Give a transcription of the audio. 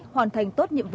hoàn thành tốt nhiệm vụ